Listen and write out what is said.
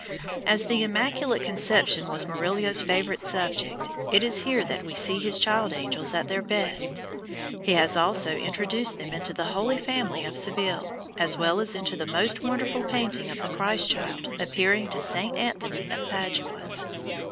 As the Immaculate Conception was Murillo's favorite subject, it is here that we see his child angels at their best. He has also introduced them into the Holy Family of Seville, as well as into that most wonderful painting of the Christ child Appearing to Saint Anthony of Padua.